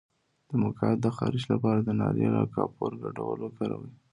د مقعد د خارښ لپاره د ناریل او کافور ګډول وکاروئ